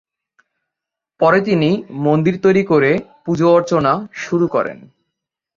পরে তিনি মন্দির তৈরি করে পুজো অর্চনা শুরু করেন।